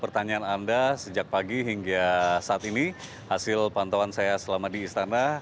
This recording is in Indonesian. pertanyaan anda sejak pagi hingga saat ini hasil pantauan saya selama di istana